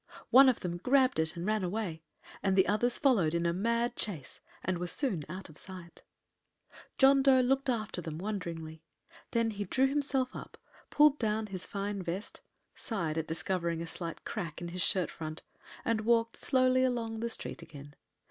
One of them grabbed it and ran away, and the others followed in a mad chase and were soon out of sight. John Dough looked after them wonderingly. Then he drew himself up, pulled down his fine vest, sighed at discovering a slight crack in his shirt front, and walked slowly along the street again.